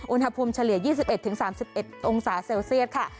เฉลี่ย๒๑๓๑องศาเซลเซียสค่ะ